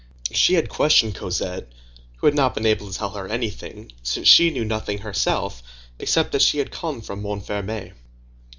She had questioned Cosette, who had not been able to tell her anything, since she knew nothing herself except that she had come from Montfermeil.